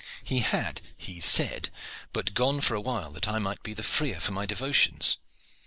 He had, he said, but gone for a while that I might be the freer for my devotions.